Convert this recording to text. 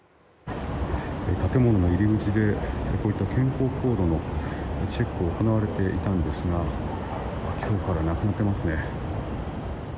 建物の入り口で健康コードのチェックが行われていたんですが今日からなくなってますね。